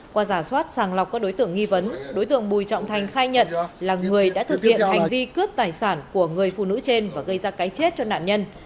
qua giả soát sàng lọc các đối tượng nghi vấn đối tượng bùi trọng thành khai nhận là người đã thực hiện hành vi cướp tài sản của người phụ nữ trên và gây ra cái chết cho nạn nhân